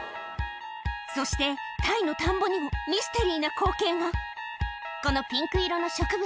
そしてタイの田んぼにもミステリーな光景がこのピンク色の植物